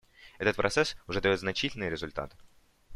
Этот процесс уже дает значительные результаты.